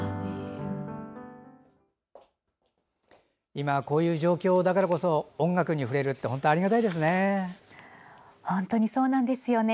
今こういう状況だからこそ音楽に触れるって本当にありがたいですね。